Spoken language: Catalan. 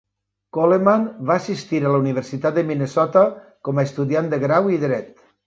Coleman va assistir a la Universitat de Minnesota, com a estudiant de grau i dret.